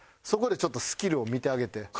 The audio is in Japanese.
そこでちょっとスキルを見てあげて。